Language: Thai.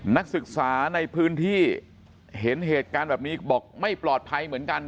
นักศึกษาในพื้นที่เห็นเหตุการณ์แบบนี้บอกไม่ปลอดภัยเหมือนกัน